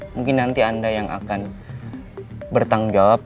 mungkin nanti anda yang akan bertanggung jawab